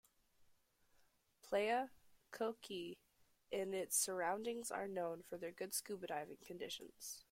Playa Kalki and its surroundings are known for their good scuba diving conditions.